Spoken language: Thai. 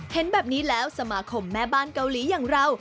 เห็นแบบนี้แล้วสมาคมแม่บ้านเกาหลีอย่างเรา